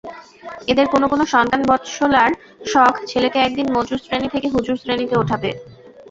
এদের কোনো কোনো সন্তানবৎসলার শখ, ছেলেকে একদিন মজুরশ্রেণী থেকে হুজুরশ্রেণীতে ওঠাবে।